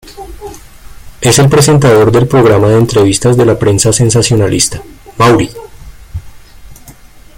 Es el presentador del programa de entrevistas de la prensa sensacionalista "Maury".